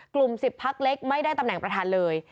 ๑๐พักเล็กไม่ได้ตำแหน่งประธานเลย